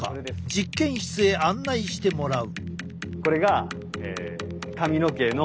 実験室へ案内してもらう。